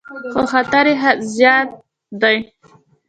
خو خطر یې زیات دی.